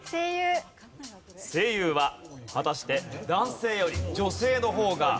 声優は果たして男性より女性の方が多いのか？